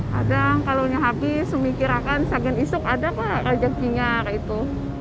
kadang kalau habis mikirkan segini isuk ada ke raja gini kayak itu